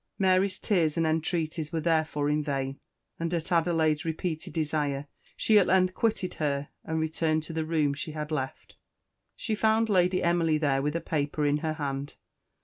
Mary's tears and entreaties were therefore in vain, and at Adelaide's repeated desire she at length quitted her and returned to the room she had left. She found Lady Emily there with a paper in her hand.